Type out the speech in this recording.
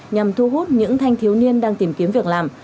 nhằm thu hút những thanh thiếu niên đang tìm kiếm việc làm